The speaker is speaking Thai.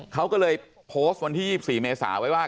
เขาก็เลยโพสต์วันที่๒๔เมษาไว้ว่า